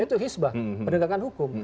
itu hizbah pendegakan hukum